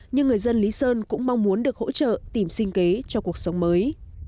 nhưng người dân lý sơn cũng mong muốn được hỗ trợ tìm sinh kế cho cuộc sống mới